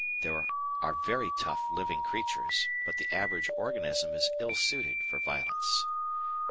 There are very tough living creatures, but the average organism is ill suited for violence.